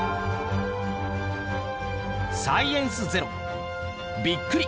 「サイエンスＺＥＲＯびっくり！